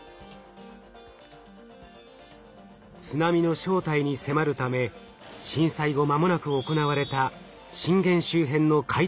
津波の正体に迫るため震災後まもなく行われた震源周辺の海底調査。